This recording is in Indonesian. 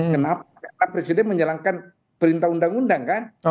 kenapa karena presiden menjalankan perintah undang undang kan